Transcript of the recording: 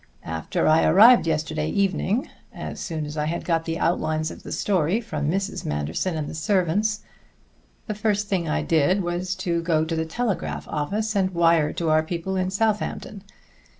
After I arrived yesterday evening, as soon as I had got the outlines of the story from Mrs. Manderson and the servants, the first thing I did was to go to the telegraph office and wire to our people in Southampton.